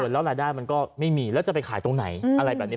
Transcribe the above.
แล้วรายได้มันก็ไม่มีแล้วจะไปขายตรงไหนอะไรแบบนี้